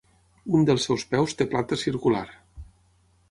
Un dels seus peus té planta circular.